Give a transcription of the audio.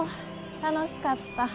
楽しかった。